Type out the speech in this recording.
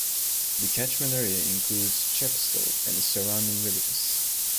The catchment area includes Chepstow and its surrounding villages.